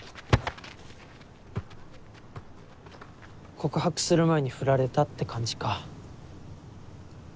告白する前にフラれたって感じか。